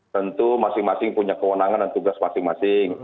tentu masing masing punya kewenangan dan tugas masing masing